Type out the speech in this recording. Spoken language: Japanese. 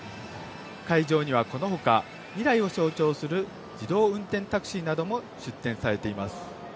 会場にはこのほか未来を象徴する自動運転タクシーなども出展されています。